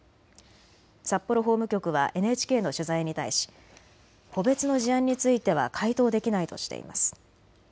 札幌法務局はＮＨＫの取材に対し個別の事案については回答できないとしています。